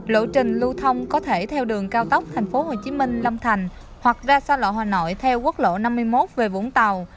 lộ trình lưu thông có thể theo đường cao tốc tp hcm long thành hoặc ra xa lộ hà nội theo quốc lộ năm mươi một về vũng tàu